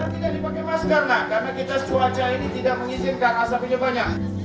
karena kita dipakai masker karena kita cuaca ini tidak mengizinkan asapnya banyak